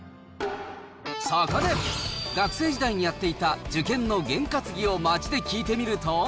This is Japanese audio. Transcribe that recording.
そこで、学生時代にやっていた受験の験担ぎを街で聞いてみると。